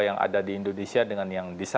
yang ada di indonesia dengan yang di sana